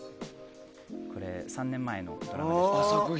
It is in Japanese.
３年前のドラマでした。